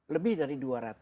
lebih dari dua ratus